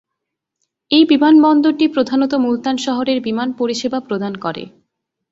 এই বিমানবন্দরটি প্রধানত মুলতান শহরের বিমান পরিসেবা প্রদান করে।